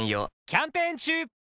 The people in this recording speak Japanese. キャンペーン中！